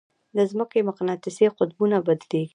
د ځمکې مقناطیسي قطبونه بدلېږي.